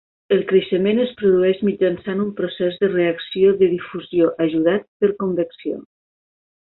El creixement es produeix mitjançant un procés de reacció de difusió, ajudat per convecció.